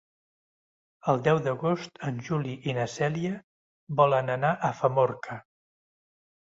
El deu d'agost en Juli i na Cèlia volen anar a Famorca.